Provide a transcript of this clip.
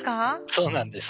そうなんです。